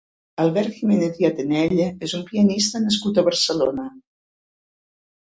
Albert Giménez i Atenelle és un pianista nascut a Barcelona.